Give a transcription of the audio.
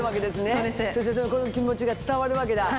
そうするとこの気持ちが伝わるわけだ。